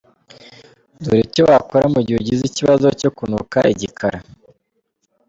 Dore icyo wakora mu gihe ugize ikibazo cyo kunuka igikara:.